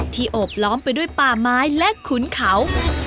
โอบล้อมไปด้วยป่าไม้และขุนเขา